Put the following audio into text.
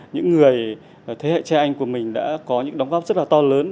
những người thế hệ cha anh của mình đã có những đóng góp rất là to lớn